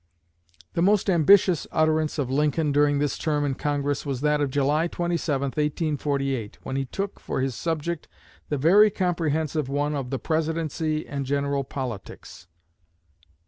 The most ambitious utterance of Lincoln during this term in Congress was that of July 27, 1848, when he took for his subject the very comprehensive one of "The Presidency and General Politics."